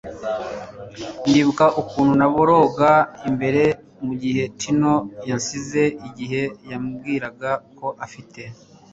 ndibuka ukuntu naboroga imbere mugihe tino yansize. igihe yambwiraga ko afite